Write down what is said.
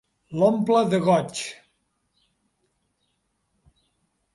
L'omple de goig.